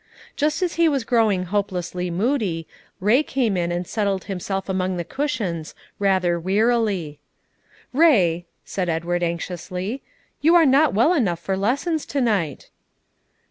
Just as he was growing hopelessly moody, Lay came in, and settled himself among the cushions, rather wearily. "Ray," said Edward anxiously, "you are not well enough for lessons to night."